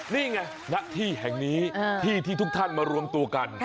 นี่ไงณที่แห่งนี้ที่ที่ทุกท่านมารวมตัวกัน